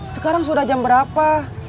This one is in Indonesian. sekarang sudah jam berapa